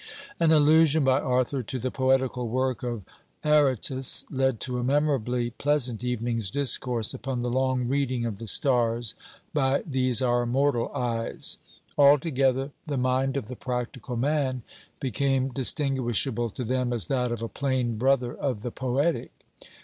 An allusion by Arthur to the poetical work of Aratus, led to a memorably pleasant evening's discourse upon the long reading of the stars by these our mortal eyes. Altogether the mind of the practical man became distinguishable to them as that of a plain brother of the poetic.